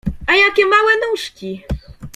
— A jakie małe nóżki!